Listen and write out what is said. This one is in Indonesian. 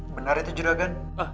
benar itu juragan